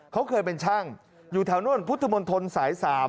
เขาเคยเป็นช่างอยู่แถวนู่นพุทธมนตรสาย๓